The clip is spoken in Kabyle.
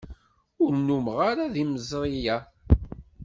Ur nnumeɣ ara d yimeẓri-a.